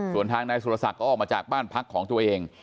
ส่วนทางนายสุรศักดิ์ก็ออกมาจากบ้านพักของตัวเอง